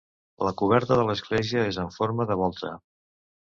La coberta de l'església és en forma de volta.